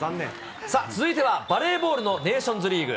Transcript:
続いてはバレーボールのネーションズリーグ。